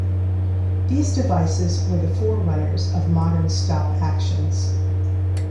These devices were the forerunners of modern stop actions.